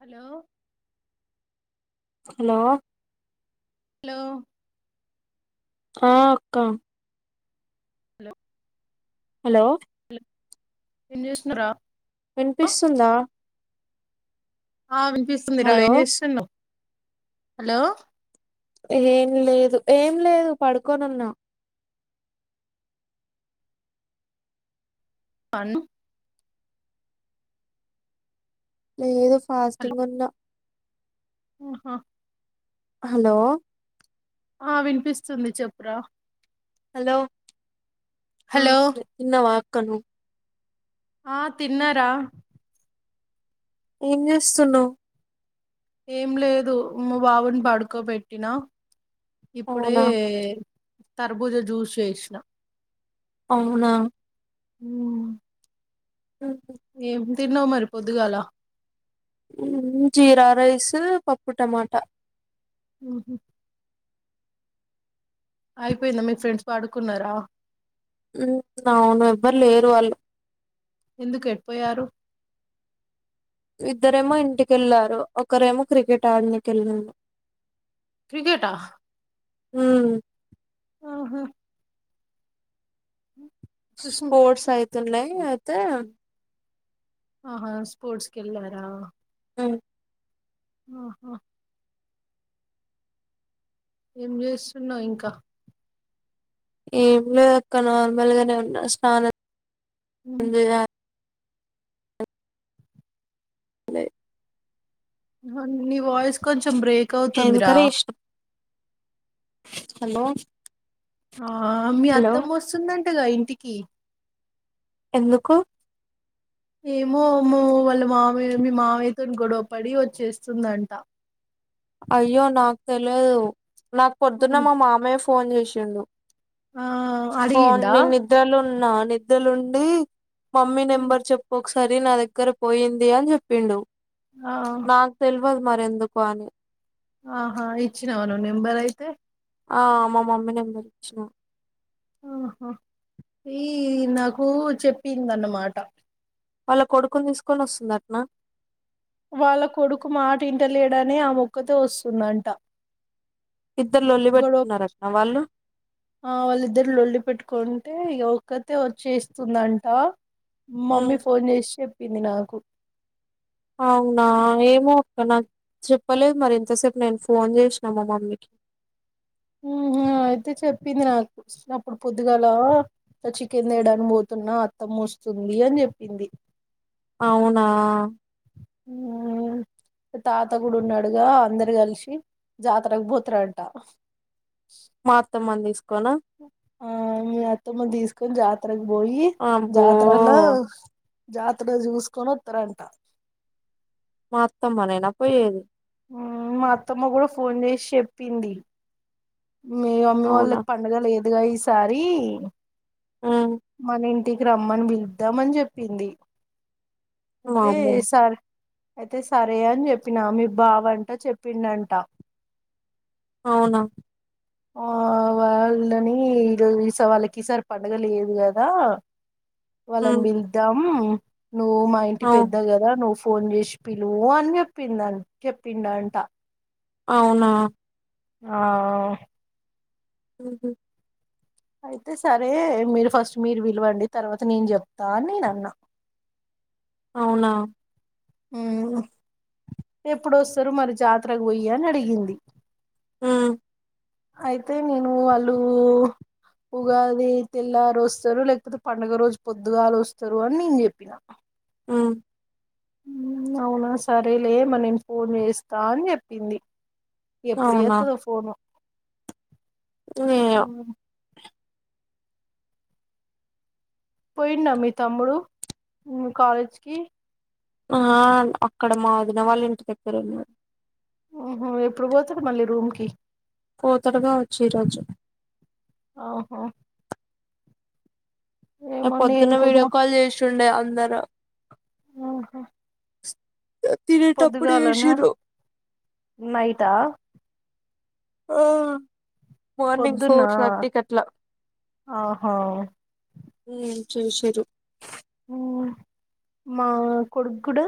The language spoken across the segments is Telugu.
హలో హలో హలో ఆ అక్క హలో హలో ఏం చేస్తురా వినిపిస్తుందా ఆ వినిపిస్తుంది రా హలో ఏం చేస్తున్నావ్ హలో ఏం లేదు ఏం లేదు పడుకోనున్నా అను లేదు హలో ఫాస్టింగ్ ఉన్న ఆహా హలో ఆ వినిపిస్తుంది చెప్పురా హలో ఉ హలో తిన్నావా అక్క నువ్ ఆ తిన్నారా ఏం చేస్తున్నావ్ ఏం లేదు మ బాబుని పడుకోబెట్టినా ఇప్పుడే అవునా తరబుజ జ్యూస్ చేసిన అవునా ఉ ఉ ఏం తిన్నావ్ మరి పొద్దుగాలా ఉ జీరా రైస్ పప్పు టమాటా ఉహ్ అయిపోయిందా మీ ఫ్రెండ్స్ పడుకున్నారా ఉ అవును ఎవ్వరు లేరు వాళ్ళు ఎందుకు ఎటుపోయారు ఇద్దరేమో ఇంటికెళ్ళారు ఒకరేమో క్రికెట్ ఆడినికి ఎల్లారు క్రికెటా ఉమ్ ఓహో సుష్మ స్పోర్ట్స్ అయితున్నాయి అయితే ఆహా స్పోర్ట్స్కెల్లరా ఉమ్ ఆహా ఏం చేస్తున్నావ్ ఇంకా ఏం లేదక్క నార్మల్ గానే ఉన్న స్నానం ఉమ్, చేయ లె నీ వాయిస్ కొంచెం బ్రేక్ అవుతుందిరా ఎంకరేష్ హలో ఆ మీ అత్తమ్మ వస్తుందంటగా ఇంటికి ఎందుకు ఏమో మో వాళ్ళ మామ మీ మామియ్యతో గొడవ పడి వచ్చేస్తుందంట అయ్యో నాకు తెలియదు నాకు పొద్దున్న అవును మా మామయ్య ఫోన్ చేసిండు ఆ ఫోన్ అడిగిండా నేన్ నిద్రలో ఉన్ నా నిదలుండి మమ్మీ నెంబర్ చెప్పు ఒకసారి నా దగ్గర పోయింది అని చెప్పిండు ఆ తెల్వద్ మర్ ఎందుకో అని ఆహా ఇచ్చినావా నువ్ నెంబర్ అయితే ఆ మా మమ్మీ నెంబర్ ఇచ్చిన ఆహా ఈ నాకు చెప్పిందన్నమాట వాళ్ళ కొడుకుని తీసుకొని వస్తుందటనా వాళ్ళ కొడుకు మాట ఇంట లేడనే ఆమె ఒకతె వస్తుందంట ఇద్దరు లోళ్లి గొడవ పెట్టుకున్నార అక్క వాళ్ళు ఆ వాళ్ళిద్దరులోల్లి పెట్టుకుంటే ఇక ఒక్కతే వచ్చేస్తుందంటా మమ్మీ ఫోన్ చేసి చెప్పింది నాకు అవునా ఏమో అక్క నాకు చెప్పలేదు మరి ఇంతసేపు నేను ఫోన్ చేసినా మా మమ్మీకి ఉంహు అయితే చెప్పింది నాకు అప్పుడు పొద్దుగాలా ఇట్ల చికెన్ తేడానికి పోతున్నా అత్తమ్మ ఒ వస్తుందీ అని చెప్పింది అవునా ఆ తాతగూడున్నడుగా అందరు కలిసి జాతరకు పోతరంటా మా అత్తమ్మను తీస్ ఆ మీ అత్తమ్మని తీసుకొని జాత్ బోయి అబ్బో జాతరలా జాతర చూసుకొని వత్తరంట మా అత్తమ్మ నేనా పోయేది ఉమ్ మా అత్తమ్మ కూడా ఫోన్ చేసి చెప్పింది మీ మమ్మీ అవునా వాళ్ళకి పండుగ లేదుగా ఈసారి ఉమ్ మన ఇంటికి రమ్మని బిలుద్దామని చెప్పింది ఐతే వామ్మో ఈసారి ఐతే సరే అని చెప్పినా మీ బావంట చెప్పిండంట అవునా ఆ వాళ్ళని ఇరో ఈస వాళ్ళకిసారి పండగ లేదు కదా వాళ్ళన్ ఉమ్ పిలుద్దాం నువ్వు మా ఇంటి అవు పెద్ద కదా నువ్ ఫోన్ చేసి పిలువూ అని చెప్పింద చెప్పిండంట అవునా ఆ ఉ హు అయితే సరే మీరు ఫస్ట్ మీరు విలవండి తర్వాత నేను చెప్తా అని నేనన్నా అవునా ఉమ్ ఎప్పుడొస్తరు మరి జాతరకు పోయ్యి అని అడిగింది ఉమ్ అయితే నేనూ అలూ ఉగాది తెల్లారొస్తరు లేకపోతే పండుగ రోజు పొద్దుగాలొస్తరు అని నేన్ చెప్పిన ఉమ్ అవునా సరేలే మరి నేను ఫోన్ చేస్తా అని చెప్పింది ఎప్పుడు చెత్తదో ఫోను ఎమో పోయిండా మీ తమ్ముడు కాలేజీకి ఆ అక్కడ మా వదిన వాళ్ళింటి దగ్గర ఉన్నాడు ఓహో ఎప్పుడు పోతడు మళ్ళీ రూమ్కి పోతడు కావొచ్చు ఈరోజు ఆ హా ఆ నేను పొద్దున్న కుమ్మ వీడియో కాల్ చేశుండే అందరు ఆహా అ తినేటప్పుడు పొద్దుగాలనా చూసిర్రు నైటా ఆ మార్నింగ్ ఫోర్ పొద్దున్నా థర్టీ కట్లా ఆహా ఉమ్ చూసిర్రు మా కొడుగుడా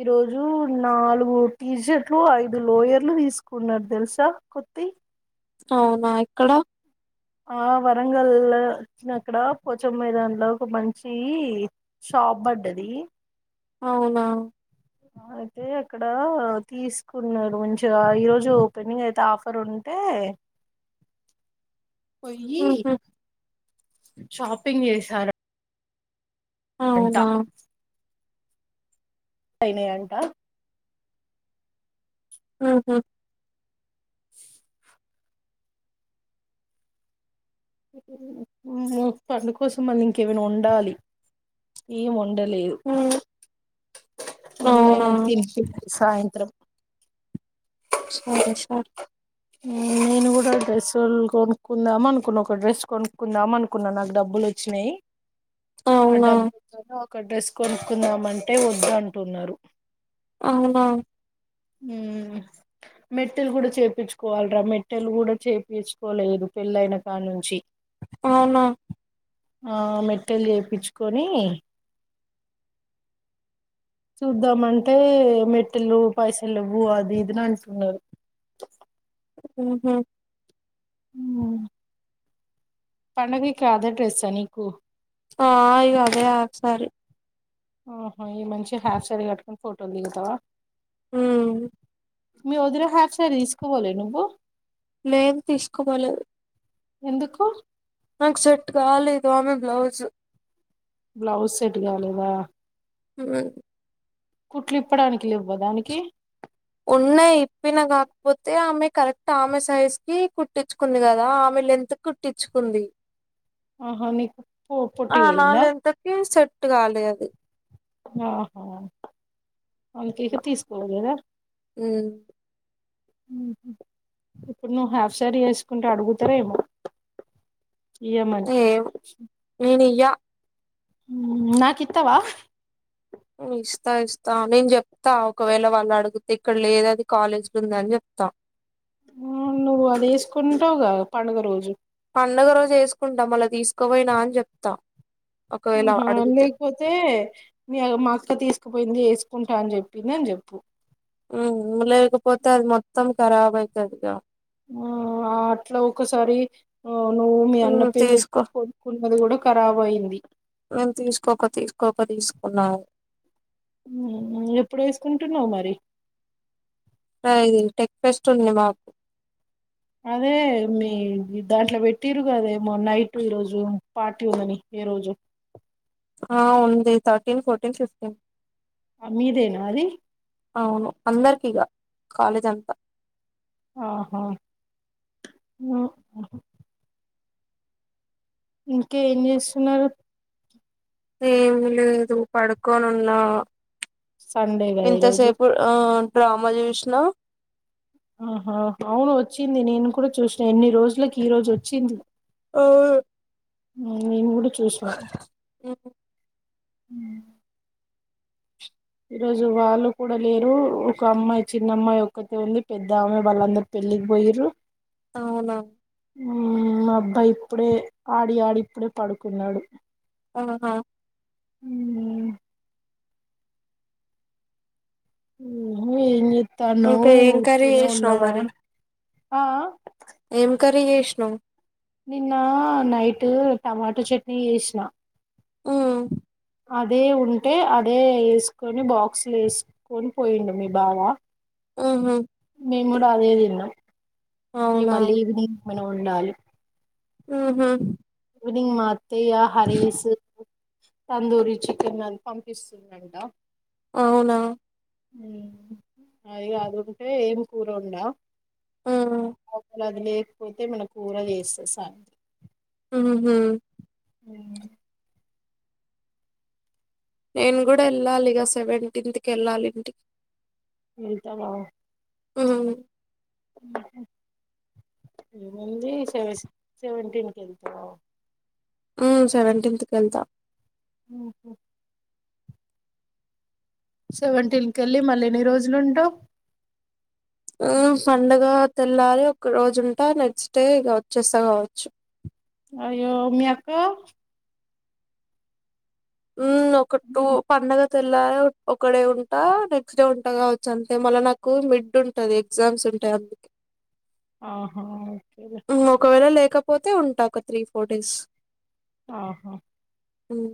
ఈ రోజు నాలుగు టీషర్ట్లు ఐదు లోయర్లు తీసుకున్నారు తెలుసా కొ అవునా ఎక్కడ ఆ వరంగల్ వచ్చినక్కడ పోచం మైదాన్ లో ఒక మంచి టాప్ పడ్డది అవునా ఆ అయితే అక్కడ తీసుకున్నారు మంచిగా ఈరోజు పెనింగ్ అయితే ఆఫర్ ఉంటే ఏ పోయి ఉహు షాపింగ్ చేసను అంటా అవునా అయినయంట ఆహా మా పండు కోసం మళ్ళీ ఇంకేమైనా వండాలి ఏం వండన్ లేదు హ్మ్. అవునా! అందరిని తినిపియాలి సాయంత్రం సరే సర్ ఊ నేను కూడా డ్రెస్ కొనుక్కుందామా అనుకున్నా ఒక డ్రెస్ కొనుక్కుందామా అనుకున్నా నాకు డబ్బులు వచ్చినాయి ఆ అవునా! డబ్బుతోని ఒక డ్రెస్ కొనుక్కుందమంటే వద్దు అంటున్నారు అవునా ఊ మెట్టలు కూడా చేపిచుకోవాలరా మెట్టెలు కూడా చేపంచుకోలేదు పెళ్ళైన కా నుంచి అవునా ఆ మెట్టలు చేపిచుకొని చూద్దామంటే మెటలు పైసలు లేవు అది ఇదని అంటునారు ఉహు ఊమ్ పండవికి అదే డ్రెస్సా నీకు ఆ ఇగ అదే హాఫ్సారి ఆహో ఈ మంచి హాఫ్ సారీ కట్టుకోని ఫోటోలు దిగుతావా ఊ మీ వదిన హాఫ్ సారి తీసుకపోలే నువ్వు లేదు తీసుకపోలేదు ఎందుకు నాకు సెట్ కాలేదు ఆమె బ్లౌజు బ్లౌజ్ సెట్ కాలేదా ఉమ్ కుట్లు ఇప్పడానికి లెవా దానికి ఉన్నాయి ఇప్పిన కాకపోతే ఆమె కరెక్ట్ ఆమె సైజ్ కి కుట్టించుకుంది కదా ఆమె లెంగ్త్ కి కుట్టించుకుంది ఆహా నీకు పొ ఆ నా పొట్టిగయిందా లెంగ్త్ కీ సెట్ కాలే అది ఆహా అందుకె ఇగ తీసుకోలేదా ఉమ్ ఉహు ఇప్పుడు నా హాఫ్ శారీ వేసుకుంటే అడుగుతారా ఏమో ఈయమని ఏమో నేనియ్య. నాక్ ఇత్తవా ఇస్తా ఇస్తా నేను చెప్తా ఒకవేళ వాళ్ళు అడిగితే ఇక్కడ లేద అది కాలేజీ లో ఉందని చెప్తా త ఆ నువ్వు అది వేసుకుంటావుగా పండుగ రోజు పండుగ రోజు వేసుకుంటా మళ్ళ తీసుకోపోయినా అని చెప్తా ఒకవేళ ఆహా అడిగితే లేకపోతే మీ మాక్క తీసుకుపోయింది ఎస్ కుంటా అని చెప్పింది అని చెప్పు ఉ లేకపోతే అది మొత్తం ఖరాబ్ అయితదిగా ఆ అట్లా ఒకసారి నువ్వు మీ అన్న పెళ్లికి తీసుకో కొనుకున్నది కూడా ఖరాబ్ అయింది కోప తీసుకున్నా ఉ నువ్వు ఎప్పుడు వేసుకుంటున్నావ్ మరి అ ఇది టెక్ ఫెస్ట్ ఉంది మాకు అదే మీ దాంట్లో పెట్టిరు కదేమో నైట్ ఈరోజు పార్టీ ఉందని ఏ రోజు ఆ ఉంది థర్టీన్ ఫోర్టీన్ ఫిఫ్టీన్ మీదేనా ఆది అవును అందరికిగా కాలేజ్ అంతా ఆహా ఉ ఇంకే ఏం చేస్తున్నారు ఏం లేదు పడుకోనున్నా సండే కదా ఈరోజు ఇంతసేపు ఆ డ్రామా చూసినా ఆహా అవును వచ్చింది నేను కూడా చూసిన ఎన్ని రోజులకి ఈ రోజు వచ్చింది ఆవును నేను కూడా చూసినా ఈ రోజు వాళ్ళు కూడా లేరు ఒక అమ్మాయి చిన్న అమ్మాయి ఒక్కతే ఉంది పెద్ద ఆమె వాళ్ళందరు తో వెళ్ళిపోయిరు అవునా ఉ మా అబ్బాయి ఇప్పుడే ఆడి ఆడి ఇప్పుడే పడుకున్నాడు ఆహా ఉమ్ ఉహ్ ఏంచేతనవ్ ఇంకా ఏం కర్రీ ఉతిగనే చేసినావు ఉన్నావా మరి ఏం కర్రీ చెస్నవ్ నిన్న నైట్ టమాటో చట్నీ చేసిన ఉ అదే ఉంటే అదే వేసుకొని బాక్స్లు వేసుకొని పోయిండు మీ బావ ఆహా మేము కూడా అదే తిన్నాం అవునా మళ్ళీ ఈవినింగ్ ఏమైనా వండాలి ఉహ్ ఈవినింగ్ మా అత్తయ్య హరీస్ తందూరి చికెన్ అవి పంపిస్తుందంట అవునా ఉ అది అది ఒకటే ఏం కూర వండా ఆ! లా అది లేకపోతే ఏమైనా కూర చేస్తా సైన్ ఉహ్ నేను కూడా వెళ్ళాలిగా సెవెంటీన్త్కి వెళ్ళాలి ఇంటికి వెళ్తావా ఉ ఏమైంది సెవస్ సెవెంటీన్కి వెళ్ళిపో ఉ సెవెంటీన్త్ కెళ్తా ఉహు సెవెంటీన్ కి వెళ్ళి మళ్ళ ఎన్ని రోజులుంటవ్ ఫండగా తెల్లారి ఒక రోజు ఉంటా నెక్స్ట్ డే ఇక వచ్చేస్తా కావచ్చు అయ్యో మీ అక్క ఉమ్ ఒక టూ పండగ తెల్లార్ ఒక్కడే ఉంటా నెక్స్ట్ డే ఉంటా కావచ్చు అంతే మళ్ళ నాకు మిడ్ ఉంటది ఎగ్జామ్స్ ఉంటయ్ అందుకే ఆహా ఓకేలే ఉమ్ ఒకవేళ లేకపోతే ఉంటా ఒక త్రీ ఫోర్ డేస్ ఆహా ఉమ్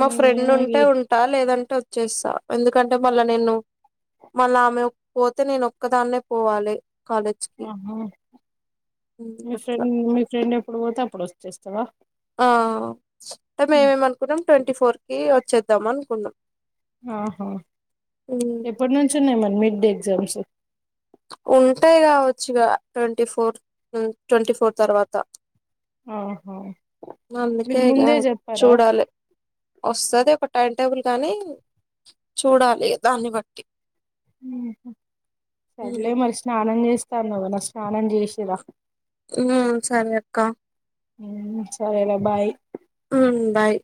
మా ఫ్రెండ్ ఉంటే ఆగి ఉంటా లేదంటే ఒచ్చేస్తా ఎందుకంటే మళ్ళా నేను మళ్ళామె పోతే నేనొక్కదాన్నే పోవాలి కాలేజ్కి ఆహా హ్మ్ మీ అట్లా ఫ్రెండ్ మీ ఫ్రెండ్ ఎప్పుడు పోతే అప్పుడొచ్చేస్తవా ఆ అంటే మేమేం అనుకున్నాం ట్వంటీ ఫోర్ కి వచ్చేద్దాం అనుకున్న ఆహా హ్మ్ ఎప్పట్నుంచి ఉన్నాయి మరి మిడ్ ఎగ్జామ్స్ ఉంటాయి కావచ్చు ఇగ ట్వంటీ ఫోర్ ను ట్వంటీ ఫోర్ తర్వాత ఆహా అందుకే మీకు ఇగా ముందే చెప్పారా చూడాలి ఒస్తదో ఒక టైమ్ టేబుల్ కాని చూడాలి ఇగ దాన్ని బట్టి ఉహు సర్లే మరి స్నానం చేస్తా అన్నవు కదా స్నానం చేసిరా ఉమ్ సరే అక్కా ఉమ్ సరేరా బాయ్ ఉమ్ బాయ్